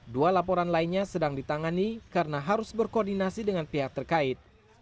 dua laporan lainnya sedang ditangani karena harus berkoordinasi dengan pihak terkait